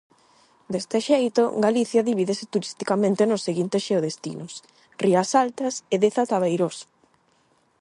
Deste xeito, Galicia divídese turisticamente nos seguintes xeodestinos: Rías Altas e Deza-Tabeirós.